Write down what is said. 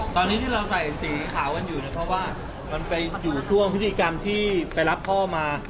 ตอนนี้ที่เราใส่สีขาวกันอยู่เนี่ยเพราะว่ามันไปอยู่ช่วงพฤติกรรมที่ไปรับพ่อมา